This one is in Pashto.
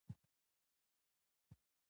ستا ناڅاپه راتګ په خوب کې وینم.